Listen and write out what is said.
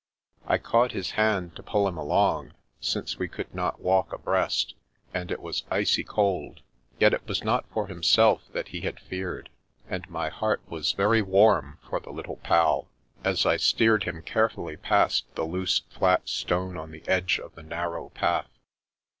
I caught his hand to pull him along, since we could not walk abreast, and it was icy cold. Yet it was not for himself that he had feared, and my heart was very warm for the Little Pal, as I steered The Revenge of the Mountain 279 him carefully past the loose, flat stone on the edge of the narrow path.